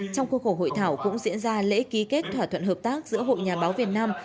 trong khuôn khổ hội thảo cũng diễn ra lễ ký kết thỏa thuận hợp tác giữa hội nhà báo việt nam